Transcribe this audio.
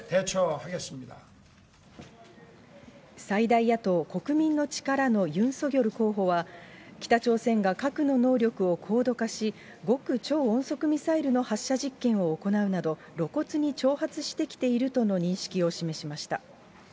最大野党・国民の力のユン・ソギョル候補は、北朝鮮が核の能力を高度化し、極超音速ミサイルの発射実験を行うなど、露骨に挑発してきているとの認識を示しました。